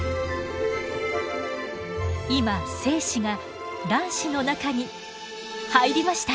今精子が卵子の中に入りました。